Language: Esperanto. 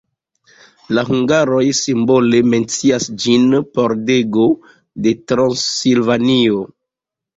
La hungaroj simbole mencias ĝin: "Pordego de Transilvanio".